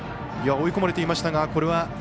追い込まれていましたが、これは。